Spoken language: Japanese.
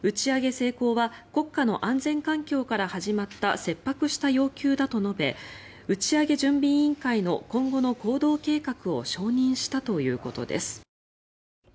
成功は国家の安全環境から始まった切迫した要求だと述べ打ち上げ準備委員会の今後の行動計画を承認したということです。